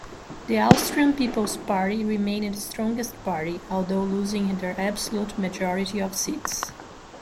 The Austrian People's Party remained strongest party, although losing their absolute majority of seats.